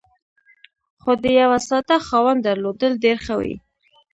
خو د یوه ساده خاوند درلودل ډېر ښه وي.